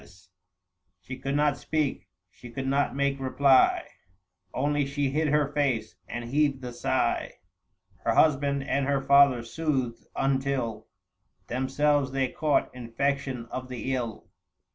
.870 She could not speak, she could not make reply ; Only she hid her face, and heaved the sigh : Her husband and her father soothed, until Themselves they caught infection of the ill.